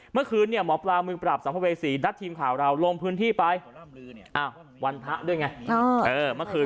เมื่อคืนมอร์ปลามือปราบสัมภเวษีดัดทีมข่าวเราลงพื้นที่ไป